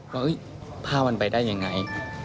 ว่าเอ๊ะภาพมันไปได้ยังไง